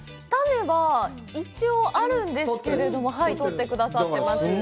種は一応あるんですけれども、取ってくださってます。